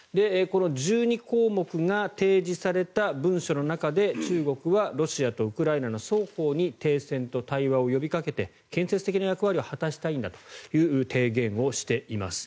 １２項目が提示された文書の中で中国はロシアとウクライナの双方に停戦と対話を呼びかけて建設的な役割を果たしたいんだという提言をしています。